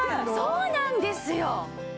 そうなんですよ！